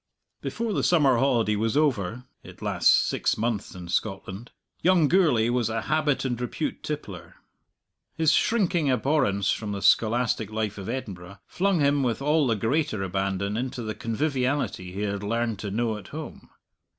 Before the summer holiday was over (it lasts six months in Scotland) young Gourlay was a habit and repute tippler. His shrinking abhorrence from the scholastic life of Edinburgh flung him with all the greater abandon into the conviviality he had learned to know at home.